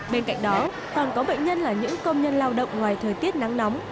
bên cạnh đó còn có bệnh nhân là những công nhân lao động ngoài thời tiết nắng nóng